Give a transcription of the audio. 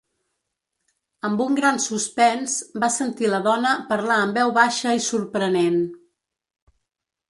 Amb un gran suspens, va sentir la dona parlar amb veu baixa i sorprenent.